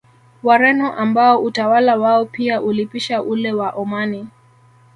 Wareno ambao utawala wao pia ulipisha ule wa Omani